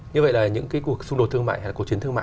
như vậy là những cuộc xung đột thương mại hay là cuộc chiến thắng